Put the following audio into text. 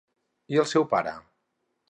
I el seu pare?